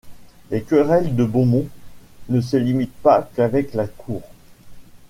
Les querelles de Beaumont ne se limitent pas qu'avec la cour.